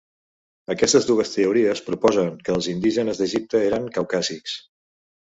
Aquestes dues teories proposen que els indígenes d'Egipte eren caucàsics.